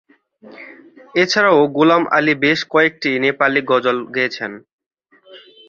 এছাড়াও গুলাম আলী বেশ কয়েকটি নেপালী গজল গেয়েছেন।